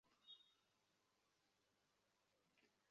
তিনি বিস্ময়করভাবে জর্জ হার্স্টের সাথে বোলিং উদ্বোধনে নামেন।